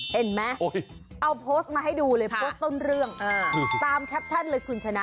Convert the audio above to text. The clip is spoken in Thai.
เห็นไหมเอาโพสต์มาให้ดูเลยโพสต์ต้นเรื่องตามแคปชั่นเลยคุณชนะ